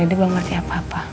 gak mau ngerti apa apa